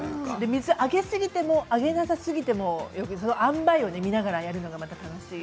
水をあげすぎてもあげなさすぎてもあんばいを見ながらやるのが楽しい。